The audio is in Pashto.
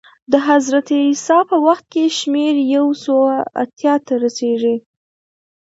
د حضرت عیسی په وخت کې شمېر یو سوه اتیا ته رسېږي